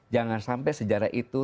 jangan sampai sejarahnya